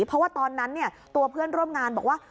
เพราะว่าตอนนั้นตัวเพื่อนร่วมงานบอกว่า